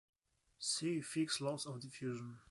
See Fick's laws of diffusion.